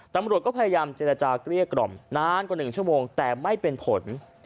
ตำรวจก็พยายามเจรจาเกลี้ยกล่อมนานกว่า๑ชั่วโมงแต่ไม่เป็นผล